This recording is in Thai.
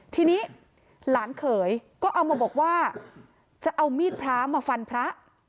ทีนี้หลานเขยก็เอามาบอกว่าจะเอามีดพระมาฟันพระ